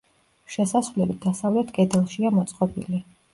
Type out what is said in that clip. შესასვლელი დასავლეთ კედელშია მოწყობილი.